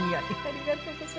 ありがとうございます。